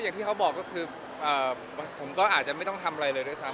อย่างที่เขาบอกก็คือผมก็อาจจะไม่ต้องทำอะไรเลยด้วยซ้ำ